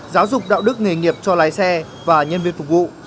giáo dục đạo đức nghề nghiệp cho lái xe và nhân viên phục vụ